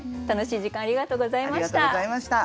楽しい時間ありがとうございました。